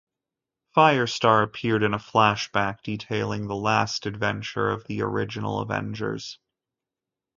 Firestar appeared in a flashback, detailing the last adventure of the original Avengers.